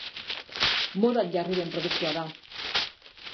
Modan jarri den produktua da.